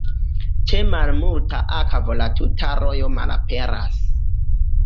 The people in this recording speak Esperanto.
Ĉe malmulta akvo la tuta rojo malaperas.